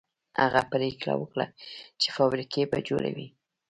هغه پرېکړه وکړه چې فابريکې به جوړوي.